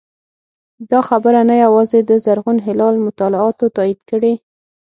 دا خبره نه یوازې د زرغون هلال مطالعاتو تایید کړې